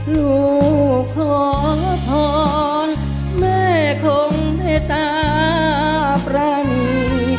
ลูกขออธรรมแม่ของเจ้าพระมี